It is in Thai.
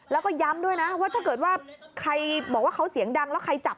แล้วก็ย้ำด้วยนะถ้าใครบอกว่าเขาเสียงดังและใครจับ